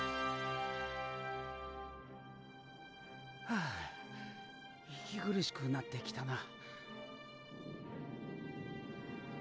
はあ息苦しくなってきたな。